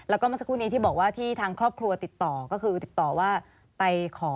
แล้วก็เมื่อสักครู่นี้ที่บอกว่าที่ทางครอบครัวติดต่อก็คือติดต่อว่าไปขอ